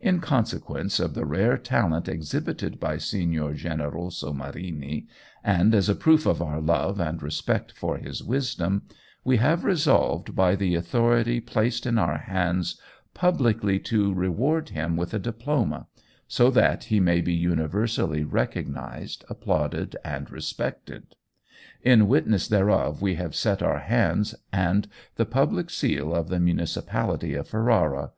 "In consequence of the rare talent exhibited by Signor Generoso Marini, and as a proof of our love and respect for his wisdom, we have resolved by the authority placed in our hands publicly to reward him with a diploma, so that he may be universally recognized, applauded, and respected. In witness thereof we have set our hands and the public seal of the municipality of Ferrara.